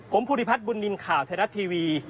ผมภูริพัฒน์บุญนินทร์ข่าวไทยรัฐทีวี